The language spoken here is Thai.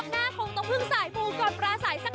รอบหน้าคงต้องพึ่งสายมูก่อนปราไสสักนิด